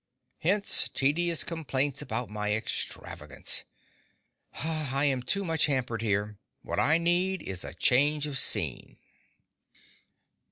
Hence, tedious complaints about my extravagance. I am too much hampered here. What I need is change of scene.